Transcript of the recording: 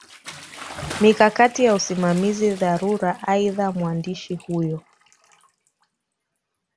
mikakati ya usimamizi dharura Aidha mwandishi huyo